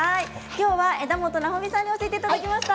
今日は枝元なほみさんに教えていただきました。